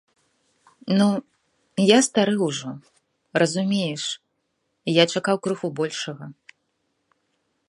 Ну, я стары ўжо, разумееш, я чакаў крыху большага.